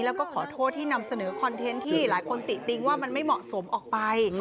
แล้วก็ขอโทษที่นำเสนอคอนเทนต์ที่หลายคนติติ๊งว่ามันไม่เหมาะสมออกไป